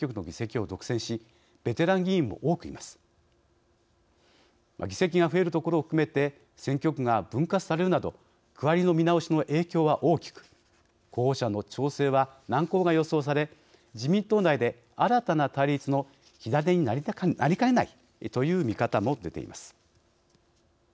議席が増えるところを含めて選挙区が分割されるなど区割りの見直しの影響は大きく候補者の調整は難航が予想され自民党内で新たな対立の火種になりかねないという見方も出ています。